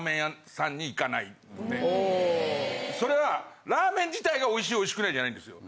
それはラーメン自体が美味しい美味しくないじゃないんですよ。